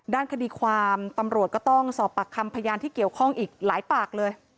ด้านคดีความตำรวจก็ต้องสอบปากคำพยานที่เกี่ยวข้องอีกหลายปากเลย